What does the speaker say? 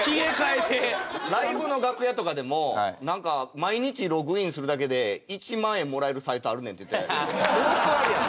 ライブの楽屋とかでもなんか「毎日ログインするだけで１万円もらえるサイトあるねん」って言ってたりとか。